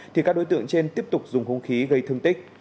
thì các đối tượng trên tiếp tục dùng hung khí gây thương tích